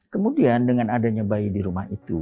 kemudian dengan adanya bayi di rumah itu